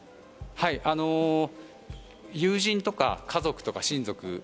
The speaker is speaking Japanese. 友人とか家族とか親族